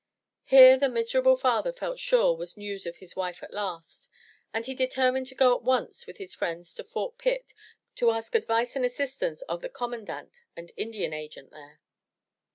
Here, the miserable father felt sure was news of his wife at last, and he determined to go at once with his friends to Fort Pitt, to ask advice and assistance of the Com mandant and Indian agent there.